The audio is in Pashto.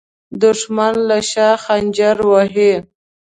دښمن له شا خنجر وهي